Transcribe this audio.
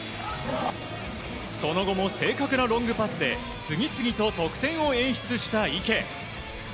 その後も正確なロングパスで次々と得点を演出した、池。